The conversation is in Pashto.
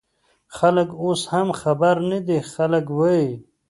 خلک اوس هم خبر نه دي، خلک وايي